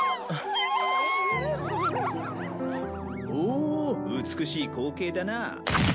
お美しい光景だなぁ。